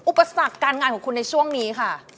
อุปสรรคการงานของคุณในช่วงนี้ค่ะ